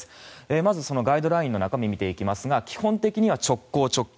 まず、ガイドラインの中身を見ていきますが基本的には直行直帰。